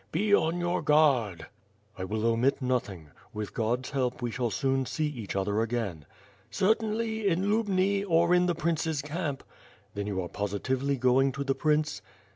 "De on your guard!" "1 will omit nothing. With God's help, we shall soon see each other again." "Certainly, in Lubni, or in the Prince's camp." "Then you are positively going to the prince?"